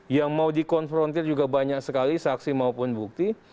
yang mau dikonfrontir juga banyak sekali saksi maupun bukti